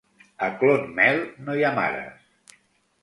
A Clonmel no hi ha mares.